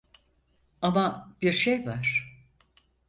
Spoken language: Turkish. Ama bir şey var.